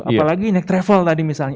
apalagi next travel tadi misalnya